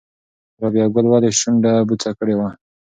رابعه ګل ولې شونډه بوڅه کړې وه؟